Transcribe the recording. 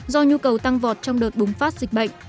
do nhu cầu tăng vọt trong đợt bùng phát dịch bệnh